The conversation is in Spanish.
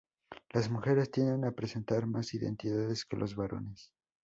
Las mujeres tienden a presentar más identidades que los varones.